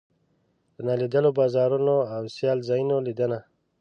د نالیدلو بازارونو او سیال ځایونو لیدنه.